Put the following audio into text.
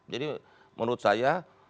jadi menurut saya